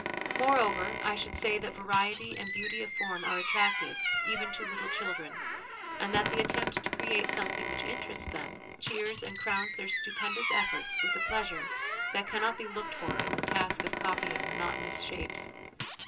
More over, I should say that variety and beauty of form are attractive, even to little children, and that the attempt to create something which interests them, cheers and crowns their stupendous efforts with a pleasure that cannot be looked for in the task of copying monotonous shapes.